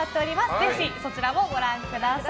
ぜひそちらもご覧ください。